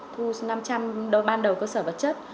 thu năm trăm linh đôi ban đầu cơ sở vật chất